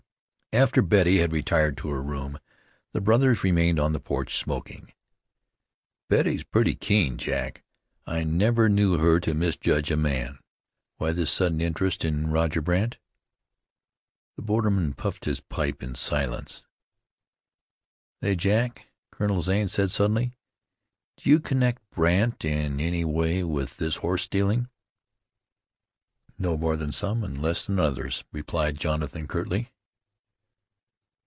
After Betty had retired to her room the brothers remained on the porch smoking. "Betty's pretty keen, Jack. I never knew her to misjudge a man. Why this sudden interest in Roger Brandt?" The borderman puffed his pipe in silence. "Say, Jack," Colonel Zane said suddenly, "do you connect Brandt in any way with this horse stealing?" "No more than some, an' less than others," replied Jonathan curtly.